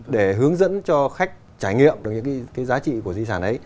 để hướng dẫn cho khách trải nghiệm được những cái giá trị của di sản ấy